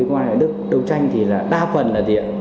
công an hiện hoài đức đấu tranh thì là đa phần là tiện